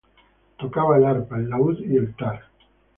Tocaba el arpa, el laúd, y el tar.